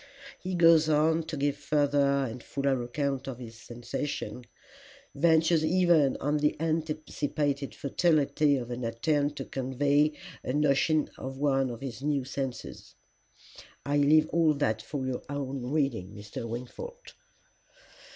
"He goes on to give further and fuller account of his sensations, ventures even on the anticipated futility of an attempt to convey a notion of one of his new senses. I leave all that for your own reading, Mr. Wingfold.